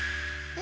え？